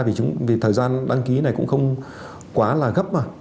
vì thời gian đăng ký này cũng không quá là gấp mà